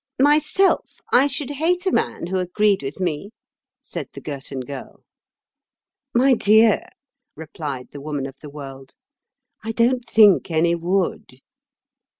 "Myself, I should hate a man who agreed with me," said the Girton Girl. "My dear," replied the Woman of the World, "I don't think any would."